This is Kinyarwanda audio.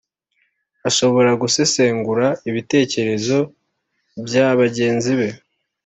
ashobora gusesengura ibitekerezo bya bagenzi be